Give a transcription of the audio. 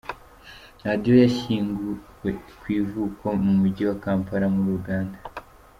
Radio yashyinguwe ku ivuko mu mujyi wa Kampala muri Uganda.